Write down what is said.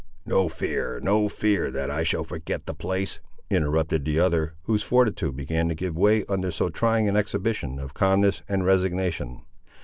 "No fear, no fear that I shall forget the place," interrupted the other, whose fortitude began to give way under so trying an exhibition of calmness and resignation.